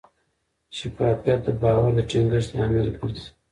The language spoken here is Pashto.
شفافیت د باور د ټینګښت لامل ګرځي.